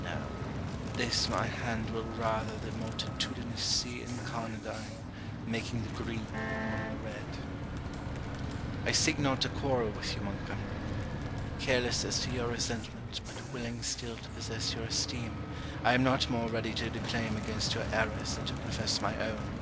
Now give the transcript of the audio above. No; this my hand will rather The multitudinous sea incarnadine, Making the green, one red. I seek not to quarrel with you, Montgomery. Careless as to your resentment, but willing still to possess your esteem, I am not more ready to declaim against your errors than to confess my own.